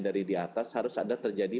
dari di atas harus ada terjadi